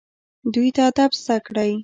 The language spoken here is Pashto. دوی ته ادب زده کړئ